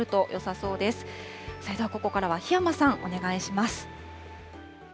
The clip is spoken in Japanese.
それではここからは檜山さんお願いします。